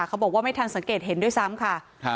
เขาบอกว่าไม่ทันสังเกตเห็นด้วยซ้ำค่ะ